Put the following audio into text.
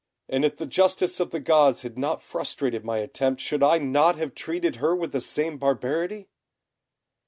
and if the justice of the gods had not frustrated my attempt, should I not have treated her with the same barbarity?"